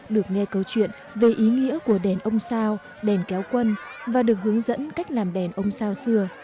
được nghe câu chuyện về ý nghĩa của đèn ông sao đèn kéo quân và được hướng dẫn cách làm đèn ông sao xưa